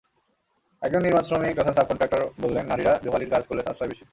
একজন নির্মাণশ্রমিক তথা সাব-কনট্রাক্টর বললেন, নারীরা জোগালির কাজ করলে সাশ্রয় বেশি।